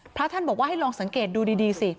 พระท่านบอกว่าให้ลองสังเกตดูดีสิ